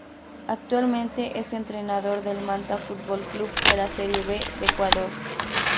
Actualmente es entrenador del Manta Fútbol Club de la Serie B de Ecuador.